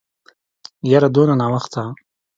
يره دونه ناوخته.